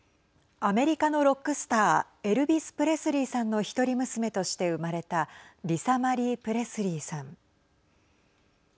アメリカのロックスターエルビス・プレスリーさんの１人娘として生まれたリサ・マリー・プレスリーさん。